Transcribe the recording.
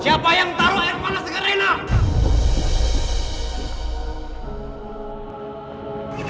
siapa yang taruh air panas di kerenah